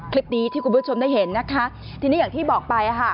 คลิปนี้ที่คุณผู้ชมได้เห็นนะคะทีนี้อย่างที่บอกไป